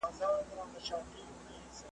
هم څښتن وو د پسونو هم د غواوو ,